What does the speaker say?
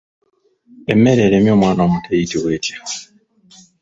Emmere eremye omwana omuto eyitibwa etya?